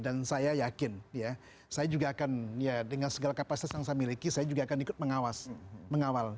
dan saya yakin ya saya juga akan ya dengan segala kapasitas yang saya miliki saya juga akan ikut mengawal